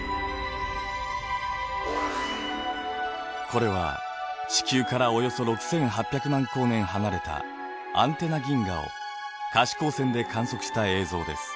これは地球からおよそ６，８００万光年離れたアンテナ銀河を可視光線で観測した映像です。